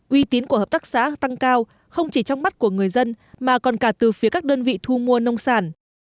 uy tín của hợp tác xã tăng cao không chỉ trong mắt của người dân mà còn cả từ phía các đơn vị thu mua nông sản